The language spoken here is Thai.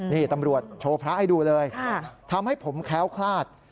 นี่ตำรวจโชว์พระให้ดูเลยทำให้ผมแค้วคลาด